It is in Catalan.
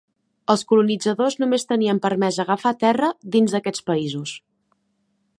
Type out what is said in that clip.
Els colonitzadors només tenien permès agafar terra dins d'aquests països.